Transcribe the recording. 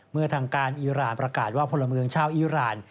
เมื่อทางการอีรานประกาศว่าพลเมืองชาวอีราน